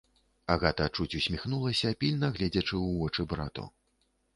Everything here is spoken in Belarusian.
Агата чуць усміхнулася, пільна гледзячы ў вочы брату.